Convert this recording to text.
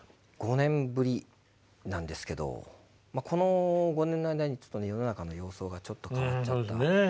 ５年ぶりなんですけどこの５年の間に世の中の様相がちょっと変わっちゃった。